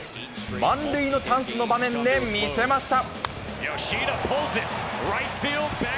満塁のチャンスの場面で見せました。